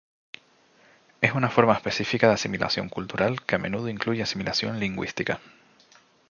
Es una forma específica de asimilación cultural que a menudo incluye asimilación lingüística.